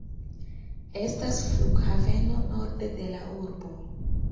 Estas flughaveno norde de la urbo.